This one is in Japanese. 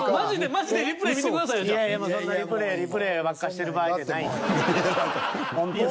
マジでいやいやそんなリプレイばっかしてる場合じゃない。